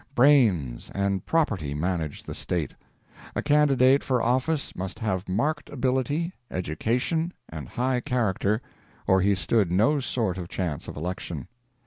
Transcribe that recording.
Brains and property managed the state. A candidate for office must have marked ability, education, and high character, or he stood no sort of chance of election.